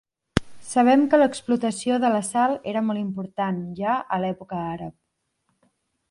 Sabem que l'explotació de la sal era molt important, ja, a l'època àrab.